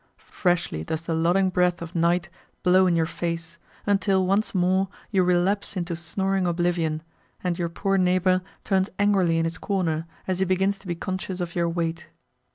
Freshly does the lulling breath of night blow in your face, until once more you relapse into snoring oblivion, and your poor neighbour turns angrily in his corner as he begins to be conscious of your weight.